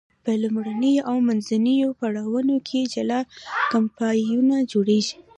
په لومړنیو او منځنیو پړاوونو کې جلا کمپاینونه جوړیږي.